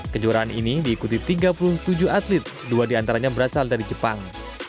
kejuaraan ini diikuti tiga puluh tujuh atlet dua diantaranya berasal dari jepang